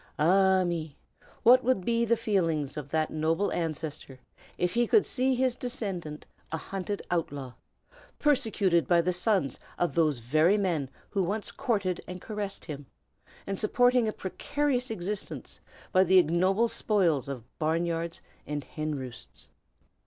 Ah, me! what would be the feelings of that noble ancestor if he could see his descendant a hunted outlaw, persecuted by the sons of those very men who once courted and caressed him, and supporting a precarious existence by the ignoble spoils of barn yards and hen roosts!"